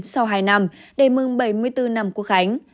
sau hai năm để mừng bảy mươi bốn năm quốc khánh